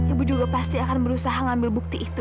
ibu juga pasti akan berusaha mengambil bukti itu